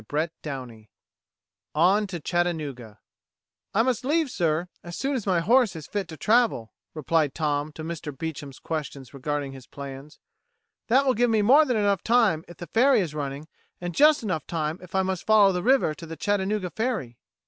CHAPTER SIX ON TO CHATTANOOGA "I must leave, sir, as soon as my horse is fit to travel," replied Tom to Mr. Beecham's questions regarding his plans. "That will give me more than enough time if the ferry is running, and just enough time if I must follow the river to the Chattanooga ferry."